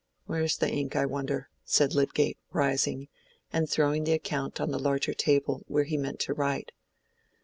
Where is the ink, I wonder?" said Lydgate, rising, and throwing the account on the larger table where he meant to write.